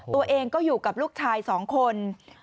ตัวเองก็อยู่กับลูกชาย๒คน